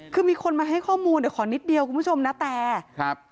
คือมีคนมาให้ข้อมูลเดี๋ยวขอนิดเดียวคุณผู้ชมนะแต่ครับ